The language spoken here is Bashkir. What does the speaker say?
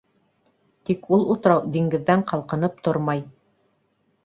Тик ул утрау «диңгеҙ»ҙән ҡалҡынып тормай.